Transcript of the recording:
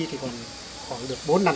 thì còn được bốn năm trăm